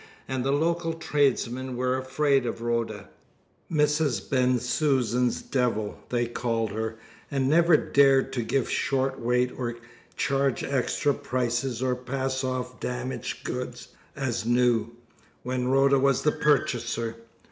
And the local tradesmen were afraid of Rhoda. "Mrs. Bensusan's devil," they called her, and never dared to give short weight, or charge extra prices, or pass off damaged goods as new, when Rhoda was the purchaser.